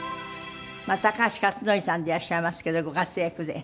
高橋克典さんでいらっしゃいますけどご活躍で何よりです。